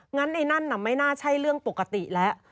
งั้นไอ้นั่นน่ะไม่น่าใช่เรื่องปกติแล้ว